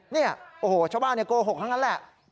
เนี่ยโอ้โหชาวบ้านโกหกทั้งนั้นแหละ